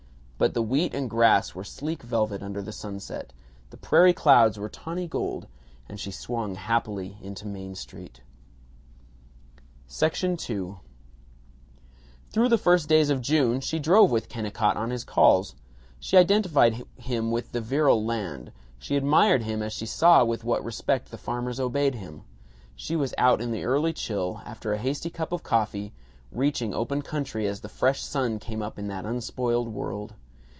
But the wheat and grass were sleek velvet under the sunset; the prairie clouds were tawny gold; and she swung happily into Main Street. II Through the first days of June she drove with Kennicott on his calls. She identified him with the virile land; she admired him as she saw with what respect the farmers obeyed him. She was out in the early chill, after a hasty cup of coffee, reaching open country as the fresh sun came up in that unspoiled world.